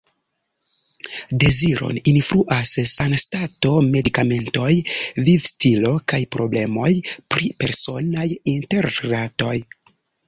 Deziron influas sanstato, medikamentoj, vivstilo kaj problemoj pri personaj interrilatoj.